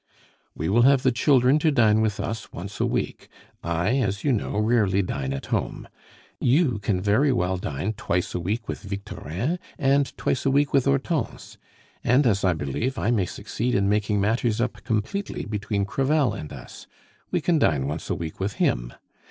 "We will have the children to dine with us once a week. I, as you know, rarely dine at home. You can very well dine twice a week with Victorin and twice a week with Hortense. And, as I believe, I may succeed in making matters up completely between Crevel and us; we can dine once a week with him.